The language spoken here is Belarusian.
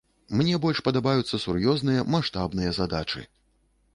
Мне больш падабаюцца сур'ёзныя, маштабныя задачы.